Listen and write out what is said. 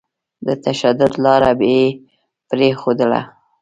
د تشدد لاره به يې پرېښودله.